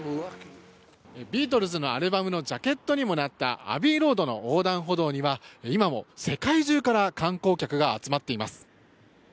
ビートルズのアルバムのジャケットにもなったアビーロードの横断歩道には今も世界中から観光客が集まっています。